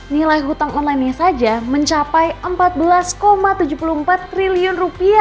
nilai hutang online nya saja mencapai rp empat belas tujuh puluh empat triliun